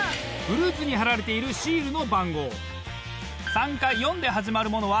３か４で始まるものは。